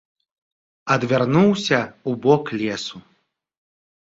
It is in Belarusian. Адвярнуўся ў бок лесу.